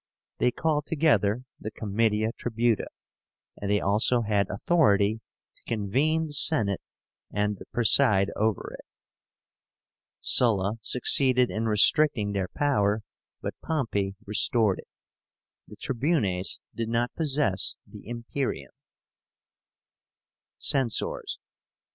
They called together the Comitia Tribúta, and they also had authority to convene the Senate and to preside over it. Sulla succeeded in restricting their power; but Pompey restored it. The Tribunes did not possess the imperium. CENSORS.